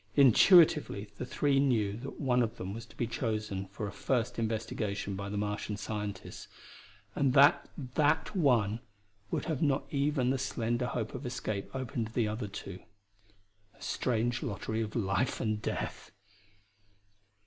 Intuitively the three knew that one of them was to be chosen for a first investigation by the Martian scientists, and that that one would have not even the slender hope of escape open to the other two. A strange lottery of life and death!